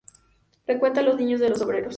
Frecuenta a los niños de los obreros.